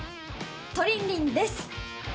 トリンリンです